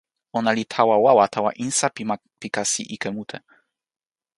ona li tawa wawa tawa insa pi ma pi kasi ike mute.